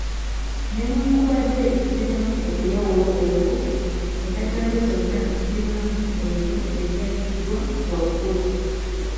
Newankubadde zibaamu obuyawulo obwo, endagaano zonna zibaamu ebyo ebiragiddwa waggulu.